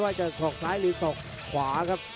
โปรดติดตามต่อไป